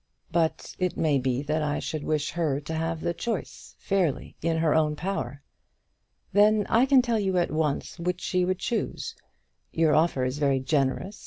But it may be that I should wish her to have the choice fairly in her own power." "Then I can tell you at once which she would choose. Your offer is very generous.